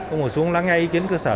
ông ngồi xuống lắng nghe ý kiến cơ sở